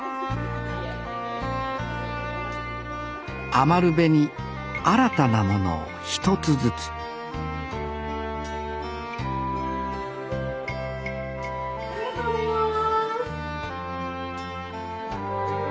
余部に新たなものを一つずつありがとうございます。